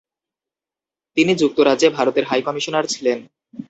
তিনি যুক্তরাজ্যে ভারতের হাই কমিশনার ছিলেন।